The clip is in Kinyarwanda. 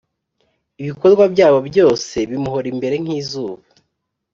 Ibikorwa byabo byose bimuhora imbere nk’izuba,